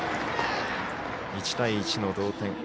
１対１の同点。